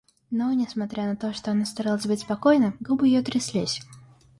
Но, несмотря на то, что она старалась быть спокойна, губы ее тряслись.